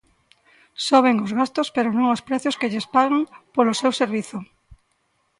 Soben os gastos pero non os prezos que lles pagan polo seu servizo.